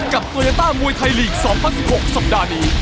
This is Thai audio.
โตยาต้ามวยไทยลีก๒๐๑๖สัปดาห์นี้